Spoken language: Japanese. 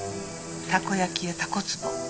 たこ焼き屋たこつぼ。